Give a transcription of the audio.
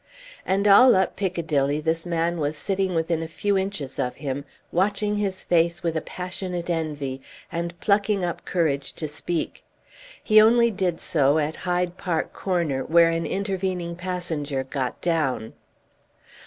And all up Piccadilly this man was sitting within a few inches of him, watching his face with a passionate envy, and plucking up courage to speak; he only did so at Hyde Park Corner, where an intervening passenger got down.